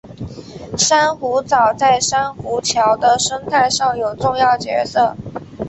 珊瑚藻在珊瑚礁的生态上有重要角色。